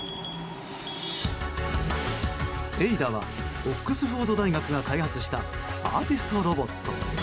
エイダはオックスフォード大学が開発したアーティストロボット。